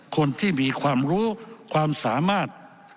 คนที่มีความรู้ความสามารถ